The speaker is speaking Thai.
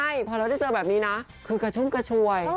ใช่พอเราได้เจอแบบนี้นะคือกระชุ่มกระชวย